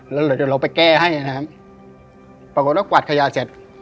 แล้วเดี๋ยวเราไปแก้ให้นะครับปรากฏแล้วกวาดขยาเสร็จ